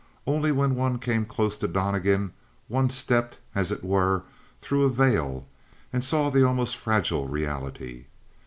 Only when one came close to Donnegan one stepped, as it were, through a veil, and saw the almost fragile reality.